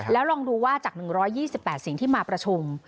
แล้วลองดูว่าจาก๑๒๘สิ่งที่มาประชุม